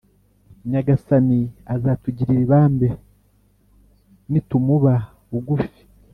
Nyagasani azatugirira ibambe nitumuba bugufi